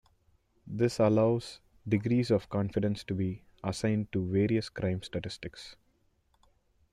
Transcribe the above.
This allows degrees of confidence to be assigned to various crime statistics.